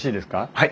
はい。